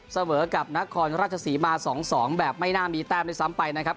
เสมอกับนครราชศรีมา๒๒แบบไม่น่ามีแต้มด้วยซ้ำไปนะครับ